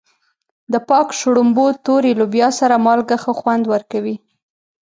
د پالک، شړومبو، تورې لوبیا سره مالګه ښه خوند ورکوي.